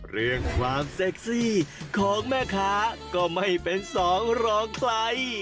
เรื่องความเซ็กซี่ของแม่ค้าก็ไม่เป็นสองรองใคร